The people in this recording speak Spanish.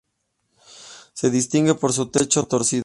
Se distingue por su techo torcido.